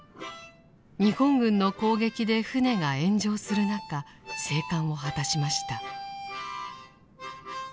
日本軍の攻撃で艦が炎上する中生還を果たしました。